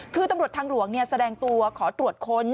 คือตำรวจทางหลวงแสดงตัวขอตรวจค้น